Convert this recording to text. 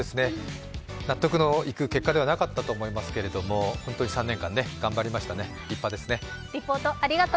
納得のいく結果ではなかったとは思いますけれども本当に３年間頑張りましたね、立派ですね。